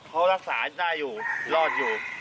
เขารักษาได้อยู่รอดอยู่